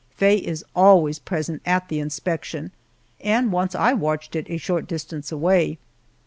Faye is always present at the inspection, and once I watched it a short distance away.